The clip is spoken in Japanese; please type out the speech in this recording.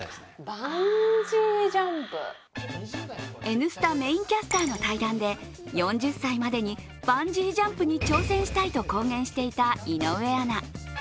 「Ｎスタ」メインキャスターの対談で４０歳までにバンジージャンプに挑戦したいと公言していた井上アナ。